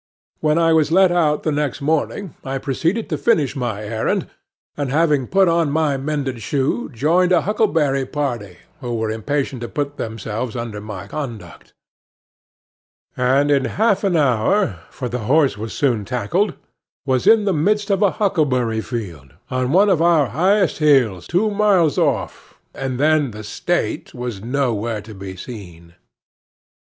When I was let out the next morning, I proceeded to finish my errand, and, having put on my mended shoe, joined a huckleberry party, who were impatient to put themselves under my conduct; and in half an hour,—for the horse was soon tackled,—was in the midst of a huckleberry field, on one of our highest hills, two miles off; and then the State was nowhere to be seen.